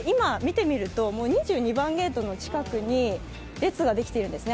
２２番ゲートの近くに列ができているんですね。